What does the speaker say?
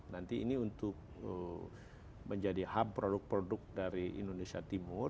nanti ini untuk menjadi hub produk produk dari indonesia timur